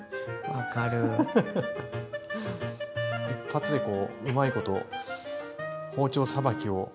一発でこううまいこと包丁さばきを。